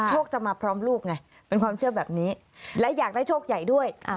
จะมาพร้อมลูกไงเป็นความเชื่อแบบนี้และอยากได้โชคใหญ่ด้วย